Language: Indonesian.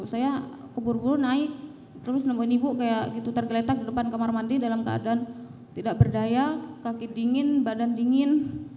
saya keburu buru naik terus nemuin ibu kayak gitu tergeletak di depan kamar mandi dalam keadaan tidak berdaya kaki dingin badan dingin